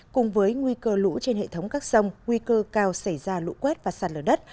cùng với nguy cơ lũ trên hệ thống các sông nguy cơ cao xảy ra lũ quét và sạt lở đất